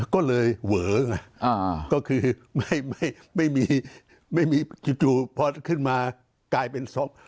ก็เลยเวอไงก็คือไม่มีไม่มีจู่พอขึ้นมากลายเป็นศพ